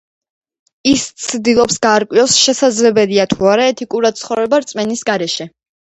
ის ცდილობს გაარკვიოს, შესაძლებელია თუ არა ეთიკურად ცხოვრება რწმენის გარეშე.